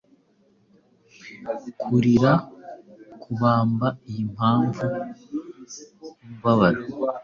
Kurira 'Kubamba iyi mpamvu yumubabaro,